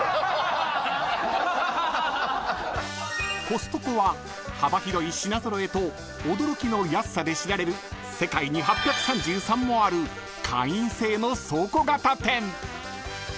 ［コストコは幅広い品揃えと驚きの安さで知られる世界に８３３もある会員制の倉庫型店］